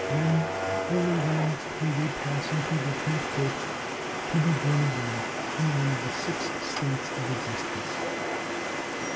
Then, and only then, may they pass into the Tenth Court to be born again in one of the Six States of existence.